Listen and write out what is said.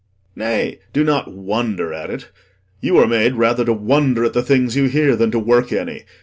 Nay, do not wonder at it; you are made Rather to wonder at the things you hear Than to work any.